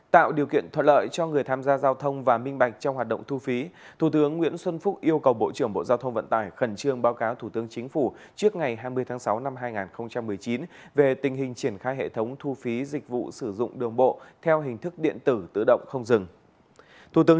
tạo điều kiện thuận lợi cho người tham gia giao thông và minh bạch trong hoạt động thu phí thủ tướng nguyễn xuân phúc yêu cầu bộ trưởng bộ giao thông vận tải khẩn trương báo cáo thủ tướng chính phủ trước ngày hai mươi tháng sáu năm hai nghìn một mươi chín về tình hình triển khai hệ thống thu phí dịch vụ sử dụng đường bộ theo hình thức điện tử tự động không dừng